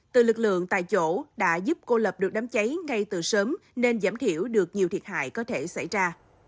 từ lực lượng tại chỗ đã giúp cô lập được đám cháy ngay từ sớm nên giảm thiểu được nhiều thiệt hại có thể xảy ra